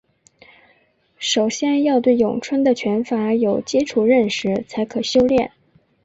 首先要对咏春的拳法有基础认识才可修练。